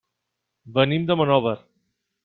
Venim de Monòver.